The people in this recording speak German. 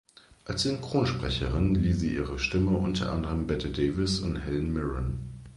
Als Synchronsprecherin lieh sie ihre Stimme unter anderem Bette Davis und Helen Mirren.